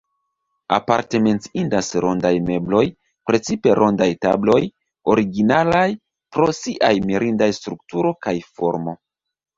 Aparte menciindas rondaj mebloj, precipe rondaj tabloj, originalaj pro siaj mirindaj strukturo kaj formo.